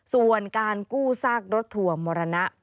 ส่วนการกู้ซากรถทัวร์มรณะ